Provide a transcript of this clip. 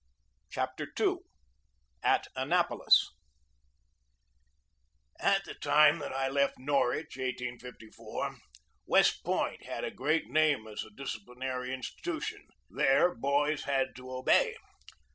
CHAPTER II AT ANNAPOLIS AT the time that I left Norwich, 1854, West Point had a great name as a disciplinary institution. There boys had to obey.